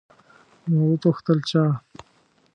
ما وپوښتل، چا؟